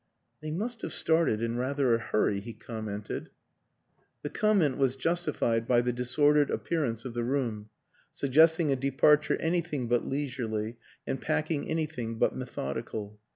" They must have started in rather a hurry," he commented. The comment was justified by the disordered appearance of the room, suggesting a departure anything but leisurely and packing anything but methodical.